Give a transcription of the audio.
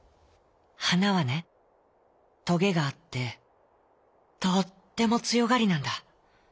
「はなはねトゲがあってとってもつよがりなんだ。